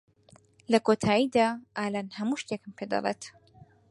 لە کۆتاییدا، ئالان هەموو شتێکم پێدەڵێت.